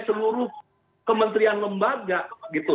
seluruh kementerian lembaga gitu